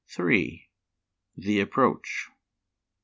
The Approach.